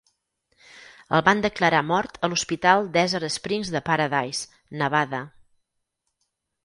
El van declarar mort a l'hospital Desert Springs de Paradise, Nevada.